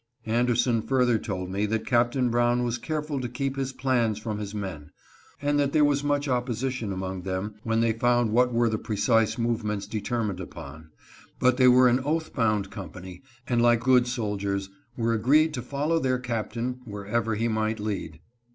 Anderson further told me that Captain Brown was careful to keep his plans from his men, and that there was much opposi tion among them when they found what were the precise movements determined upon ; but they were an oath bound company, and like good soldiers were agreed to follow their captain wherever he might lead.